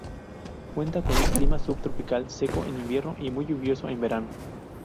Cuenta con un clima subtropical, seco en invierno y muy lluvioso en verano.